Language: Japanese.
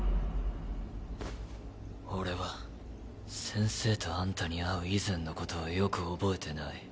俺は先生とあんたに会う以前の事をよく覚えてない。